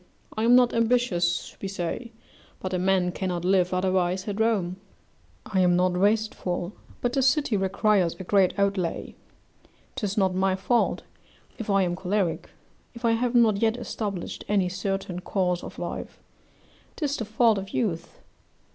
I am not ambitious, we say; but a man cannot live otherwise at Rome; I am not wasteful, but the city requires a great outlay; 'tis not my fault if I am choleric if I have not yet established any certain course of life: 'tis the fault of youth.